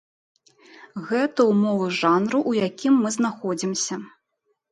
Гэта ўмовы жанру, у якім мы знаходзімся.